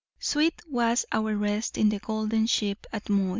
Sweet was our rest in the Golden Sheep at Moy.